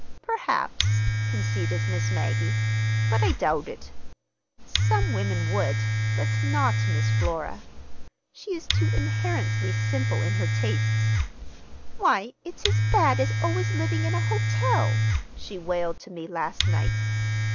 "Perhaps," conceded Miss Maggie, "but I doubt it. Some women would, but not Miss Flora. She is too inherently simple in her tastes. 'Why, it's as bad as always living in a hotel!' she wailed to me last night.